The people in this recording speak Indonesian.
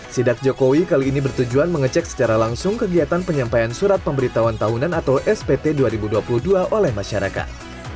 sidak jokowi kali ini bertujuan mengecek secara langsung kegiatan penyampaian surat pemberitahuan tahunan atau spt dua ribu dua puluh dua oleh masyarakat